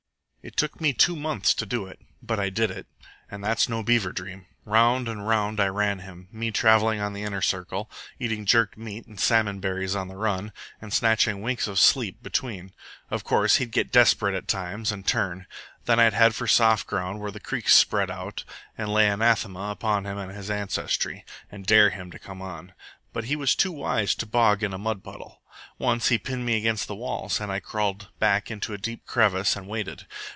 "It took me two months to do it, but I did it. And that's no beaver dream. Round and round I ran him, me travelling on the inner circle, eating jerked meat and salmon berries on the run, and snatching winks of sleep between. Of course, he'd get desperate at times and turn. Then I'd head for soft ground where the creek spread out, and lay anathema upon him and his ancestry, and dare him to come on. But he was too wise to bog in a mud puddle. Once he pinned me in against the walls, and I crawled back into a deep crevice and waited.